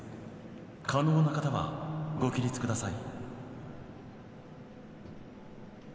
可能な方は、ご起立ください。